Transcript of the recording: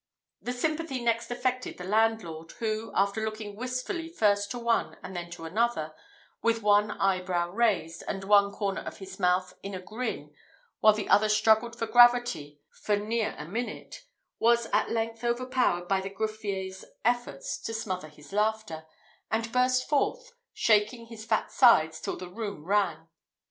The sympathy next affected the landlord, who, after looking wistfully first to one and then to another, with one eyebrow raised, and one corner of his mouth in a grin while the other struggled for gravity for near a minute, was at length overpowered by the greffier's efforts to smother his laughter, and burst forth, shaking his fat sides till the room rang.